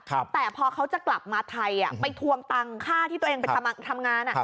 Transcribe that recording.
แต่พอเขาจะกลับมาไทยไปทวงตังค่าที่ตัวเองไปทำงาน